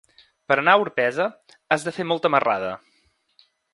Per anar a Orpesa has de fer molta marrada.